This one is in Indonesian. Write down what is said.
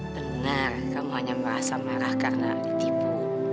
benar kamu hanya merasa marah karena ditipu